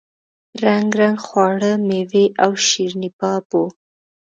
رنګ رنګ خواړه میوې او شیریني باب وو.